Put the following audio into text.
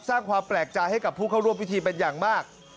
สร้างความแปลกใจให้กับผู้เข้าร่วมพิธีเป็นอย่างมาก